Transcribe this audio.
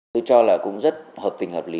tôi cho là cũng rất hợp tình hợp lý